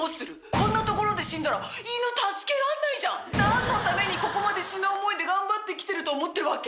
こんなところで死んだら犬助けらんないじゃん。何のためにここまで死ぬ思いで頑張ってきてると思ってるわけ？